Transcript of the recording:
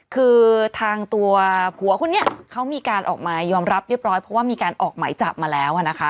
คือทางตัวผัวคนนี้เขามีการออกมายอมรับเรียบร้อยเพราะว่ามีการออกหมายจับมาแล้วนะคะ